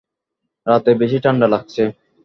রাতে বেশি ঠান্ডা লাগছে।